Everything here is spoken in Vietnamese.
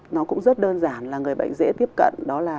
nó cũng rất đơn giản là người bệnh dễ tiếp cận đó là